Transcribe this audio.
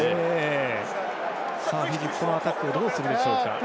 フィジー、ここのアタックどうするでしょうか。